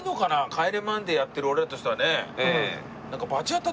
『帰れマンデー』やってる俺らとしてはねなんか。